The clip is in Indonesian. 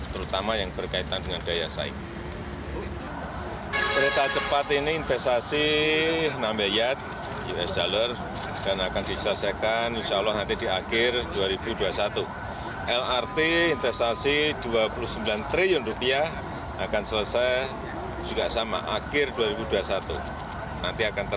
terutama yang berkaitan dengan daya